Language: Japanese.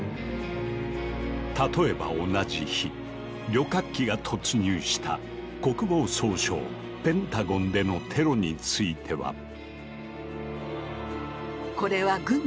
例えば同じ日旅客機が突入した国防総省ペンタゴンでのテロについては。